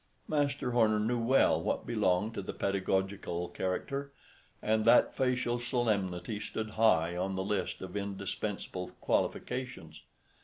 Master Horner knew well what belonged to the pedagogical character, and that facial solemnity stood high on the list of indispensable qualifications.